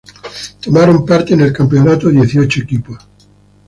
Tomaron parte en el campeonato dieciocho equipos.